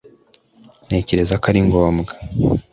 ntekereza ko ari ngombwa,